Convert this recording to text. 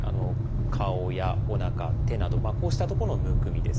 顔やおなか手などこうした所のむくみですね。